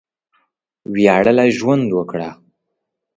وياړلی ژوند وکړه!